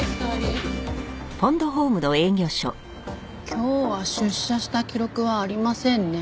今日は出社した記録はありませんね。